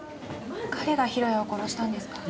彼が弘也を殺したんですか？